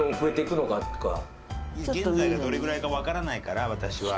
「現在がどれぐらいかわからないから私は」。